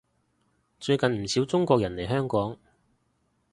最近唔少中國人嚟香港